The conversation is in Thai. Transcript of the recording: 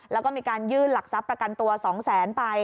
แล้วก็มีการยื่นหลักทรัพย์ประกันตัว๒แสนไป